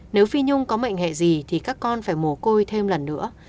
nếu phi nhung có mệnh hệ gì thì các con phải mồ côi thêm lần nữa